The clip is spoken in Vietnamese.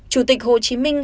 chủ tịch hồ chí minh